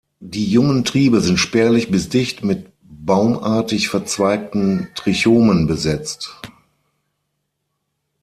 Die jungen Triebe sind spärlich bis dicht mit baumartig verzweigten Trichomen besetzt.